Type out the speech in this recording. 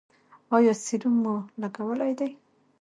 ایا سیروم مو لګولی دی؟